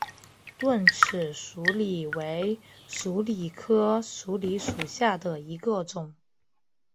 钝齿鼠李为鼠李科鼠李属下的一个种。